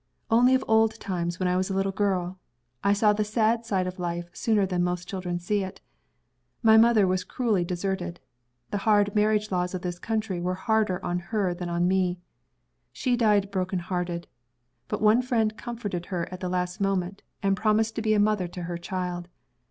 Only of old times, when I was a little girl. I saw the sad side of life sooner than most children see it. My mother was cruelly deserted. The hard marriage laws of this country were harder on her than on me. She died broken hearted. But one friend comforted her at the last moment, and promised to be a mother to her child.